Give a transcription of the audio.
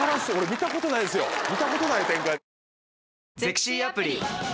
見たことない展開。